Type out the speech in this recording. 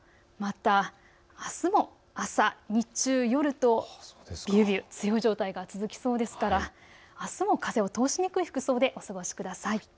またあすも朝、日中、夜と強い状態が続きそうですからあすも風を通しにくい服装でお過ごしください。